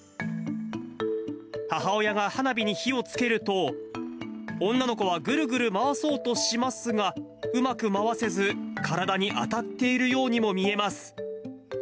母親が花火に火をつけると、女の子はぐるぐる回そうとしますが、うまく回せず、体に当たっているようにも見えます。